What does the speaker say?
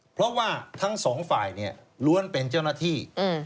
เพราะว่าทั้งสองฝ่ายเนี่ยล้วนเป็นเจ้าหน้าที่